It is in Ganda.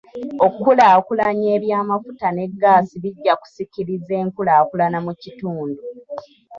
Okulaakulanya eby'amafuta ne gaasi bijja kusikiriza enkulakulana mu kitundu.